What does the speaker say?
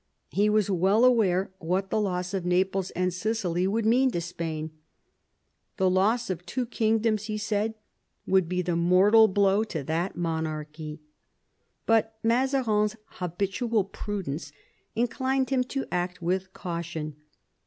He was well aware what the loss of Naples and Sicily would mean to Spain. " The loss of two kingdoms," he said, "would be the mortal blow to that monarchy." But Mazarines habitual prudence inclined him to act Avith caution.